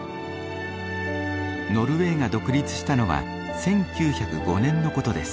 ノルウェーが独立したのは１９０５年のことです。